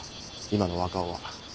今の若尾は。